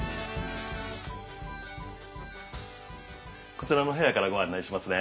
こちらの部屋からご案内しますね。